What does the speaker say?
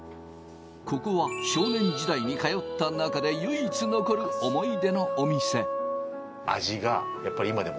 ここは少年時代に通った中で唯一残る思い出のお店。